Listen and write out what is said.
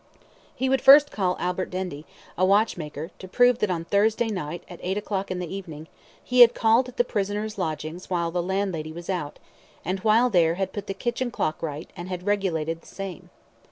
He would first call Albert Dendy, a watchmaker, to prove that on Thursday night, at eight o'clock in the evening, he had called at the prisoner's, lodgings while the landlady was out, and while there had put the kitchen clock right, and had regulated the same.